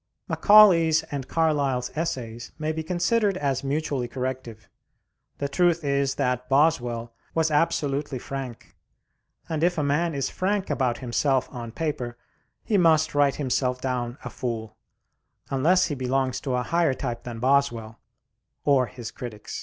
Macaulay's and Carlyle's essays may be considered as mutually corrective. The truth is that Boswell was absolutely frank, and if a man is frank about himself on paper he must write himself down a fool, unless he belongs to a higher type than Boswell or his critics.